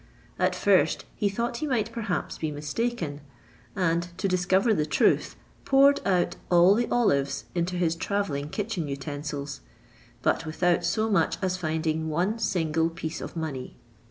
At first he thought he might perhaps be mistaken; and, to discover the truth, poured out all the olives into his travelling kitchen utensils, but without so much as finding one single piece of money.